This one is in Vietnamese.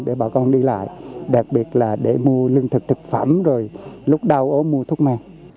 để bà con đi lại đặc biệt là để mua lương thực thực phẩm rồi lúc đau ốm mua thuốc men